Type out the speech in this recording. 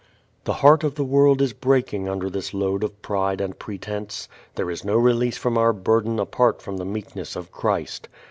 The heart of the world is breaking under this load of pride and pretense. There is no release from our burden apart from the meekness of Christ.